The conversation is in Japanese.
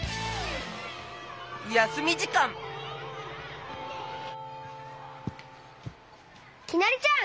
やすみじかんきなりちゃん。